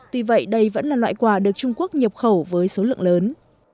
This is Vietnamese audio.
tuy vậy đây vẫn là loại quả được trung quốc nhập khẩu với số lượng lớn